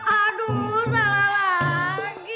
aduh salah lagi